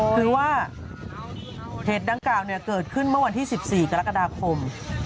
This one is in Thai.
คือว่าเหตุดังกล่าวเกิดขึ้นเมื่อวันที่๑๔กรกฎาคม